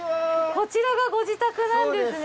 こちらがご自宅なんですね。